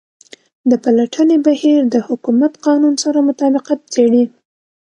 د پلټنې بهیر د حکومت قانون سره مطابقت څیړي.